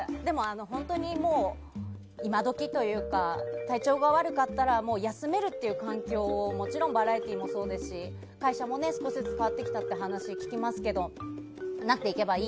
本当に今時というか体調が悪かったら休めるという環境をもちろんバラエティーもそうですし会社も少しずつ変わってきたという話を聞きますが。